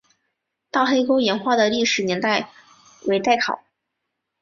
大黑沟岩画的历史年代为待考。